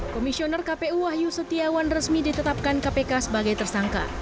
komisioner kpu wahyu setiawan resmi ditetapkan kpk sebagai tersangka